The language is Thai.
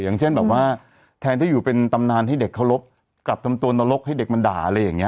อย่างเช่นแบบว่าแทนที่อยู่เป็นตำนานให้เด็กเคารพกลับทำตัวนรกให้เด็กมันด่าอะไรอย่างนี้